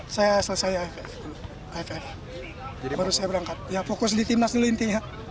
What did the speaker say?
saya selesai iff baru saya berangkat fokus di timnas dulu intinya